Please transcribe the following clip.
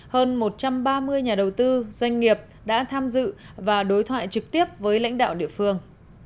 hơn một trăm ba mươi nhà đầu tư doanh nghiệp đã tham dự và đối thoại trực tiếp với lãnh đạo địa phương